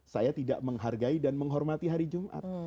saya tidak menghargai dan menghormati hari jumat